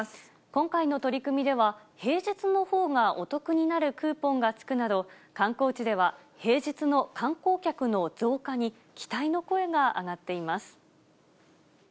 今回の取り組みでは、平日のほうがお得になるクーポンがつくなど、観光地では平日の観光客の増加に期待の声が上がっています。